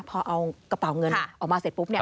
พอเอากระเป๋าเงินออกมาเสร็จปุ๊บเนี่ย